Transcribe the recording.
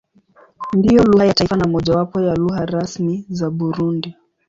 Ndiyo lugha ya taifa na mojawapo ya lugha rasmi za Burundi.